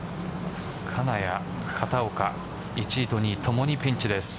金谷、片岡１位、２位ともにピンチです。